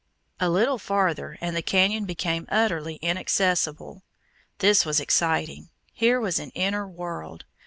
A little farther, and the canyon became utterly inaccessible. This was exciting; here was an inner world.